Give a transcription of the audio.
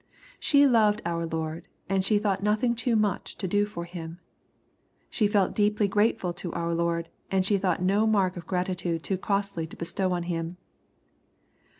She loved our Lord, and she thought nothing too much to do for Him. She felt deeply grateful to our Lord, and she thought no mark of gratitude too costly to bestow on Him.